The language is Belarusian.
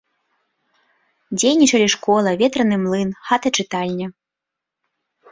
Дзейнічалі школа, ветраны млын, хата-чытальня.